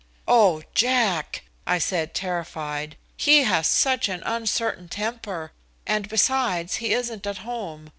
"Oh, Jack," I said terrified, "he has such an uncertain temper, and, besides, he isn't at home.